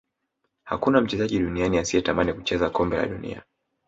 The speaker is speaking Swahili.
hakuna mchezaji duniani asiyetamani kucheza kombe la dunia